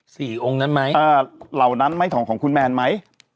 องค์นั้นไหมอ่าเหล่านั้นไหมของของคุณแมนไหม